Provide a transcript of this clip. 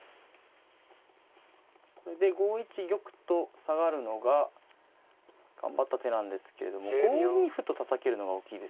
これで５一玉と下がるのが頑張った手なんですけれども５二歩とたたけるのが大きいですね。